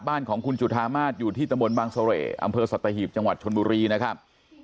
บ้านของคุณจุธามาศอยู่ที่ตะบนบางเสร่อำเภอสัตหีบจังหวัดชนบุรีนะครับ